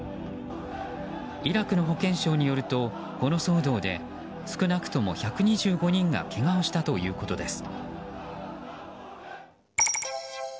イラクの保健省によるとこの騒動で少なくとも１２５人がけがをしたということです。